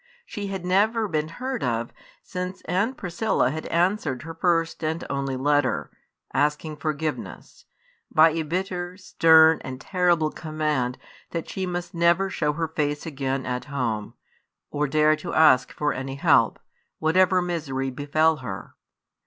She had never been heard of since Aunt Priscilla had answered her first and only letter, asking forgiveness, by a bitter, stern, and terrible command that she must never show her face again at home, or dare to ask for any help, whatever misery befell her.